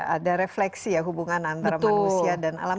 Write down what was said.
ada refleksi ya hubungan antara manusia dan alam